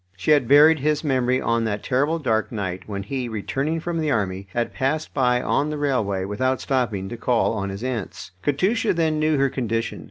She had buried his memory on that terrible dark night when he, returning from the army, had passed by on the railway without stopping to call on his aunts. Katusha then knew her condition.